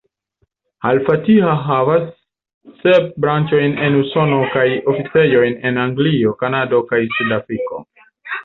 Al-Fatiha havas sep branĉojn en Usono, kaj oficejojn en Anglio, Kanado, kaj Sud-Afriko.